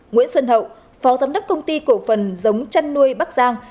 nguyễn xuân hậu phó giám đốc công ty cổ phần giống chăn nuôi bắc giang